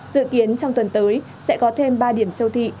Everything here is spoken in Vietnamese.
dự kiến trong tuần tới sẽ có thêm ba điểm siêu thị